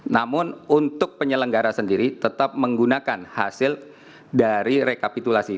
namun untuk penyelenggara sendiri tetap menggunakan hasil dari rekapitulasi